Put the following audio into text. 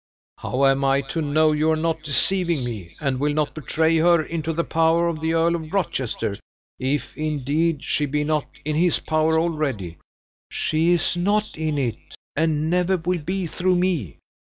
"How am I to know you are not deceiving me, and will not betray her into the power of the Earl of Rochester if, indeed, she be not in his power already." "She is not in it, and never will be through me!